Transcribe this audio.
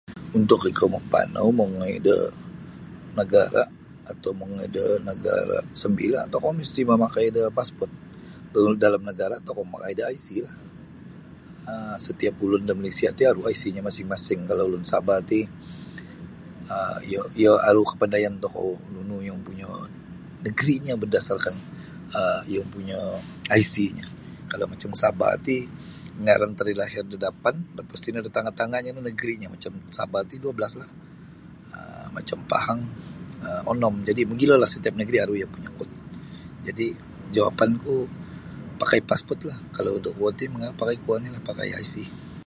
Untuk ikou makapanau mongoi do nagara' atau mongoi da nagara' sambila' tokou misti' mamakai da pasport. Kalau dalam nagara' tokou mamakai da IC lah um setiap ulun da Malaysia ti aru IC nyo masing-masing kalau ulun Sabah ti um iyo iyo aru kapandayan tokou nunu iyo ompunyo negri'nyo bardasarkan um iyo ompunyo IC nyo kalau macam Sabah ti inalan tarikh lahir da dapan lapas tino da tanga'-tanga'nyo negri'nyo macam Sabah ti dua belaslah um macam Pahang onom. Jadi mogilolah setiap negri' aru iyo ompunyo kod. Jadi' jawapanku pakai pasportlah. Kalau da kuo ti mangaal pakai kuo oni'lah pakai IC.